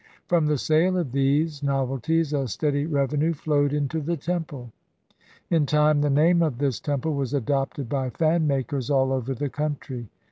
From the sale of these novelties a steady revenue flowed into the temple. In time the name of this temple was adopted by fan makers all over the country.